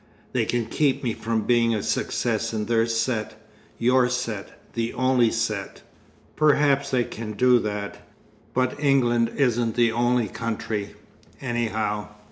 They can keep me from being a success in their set, your set the only set." "Perhaps they can do that. But England isn't the only country, anyhow.